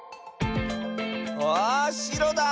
あしろだ！